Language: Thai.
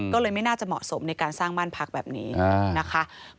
ก็เลยไม่น่าจะเหมาะสมในการสร้างบ้านพักแบบนี้นะคะ